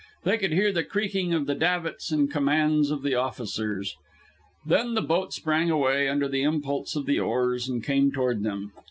They could hear the creaking of the davits and the commands of the officers. Then the boat sprang away under the impulse of the oars, and came toward them.